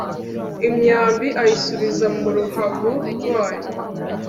imyambi ayisubiza muruhago rwayo